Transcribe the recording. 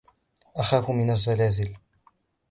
أخاف من الزلازل.